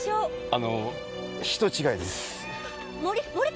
あの人違いです。